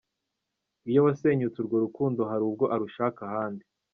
Iyo wasenyutse urwo rukundo hari ubwo arushaka ahandi.